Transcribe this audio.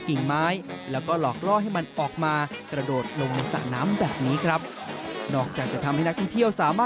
แต่ที่จังหวัดราชบุรีอันนี้ไม่ต้องบังคับเลยนะครับ